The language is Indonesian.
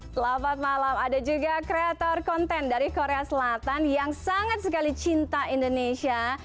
selamat malam ada juga kreator konten dari korea selatan yang sangat sekali cinta indonesia